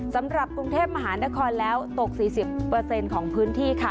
สำหรับกรุงเทพมหานครแล้วตก๔๐ของพื้นที่ค่ะ